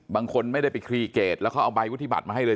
บางคนไม่ได้ไปคลีเกตแล้วเขาเอาใบวุฒิบัตรมาให้เลย